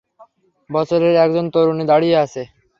বছরের একজন তরুণী দাঁড়িয়ে আছে।